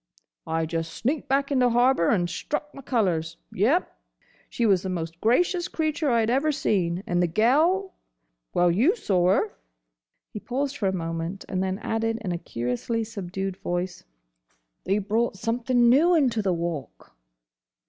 I just sneaked back into harbour, and struck my colours. Yes!— She was the most gracious creature I 'd ever seen. And the gel—! Well, you saw her." He paused for a moment, and then added in a curiously subdued voice: "They brought something new into the Walk."